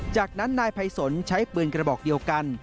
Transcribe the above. จากนั้นนายภัยสนใช้ปืนกระบอกเดียวกัน